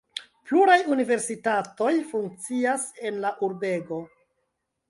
Pluraj universitatoj funkcias en la urbego.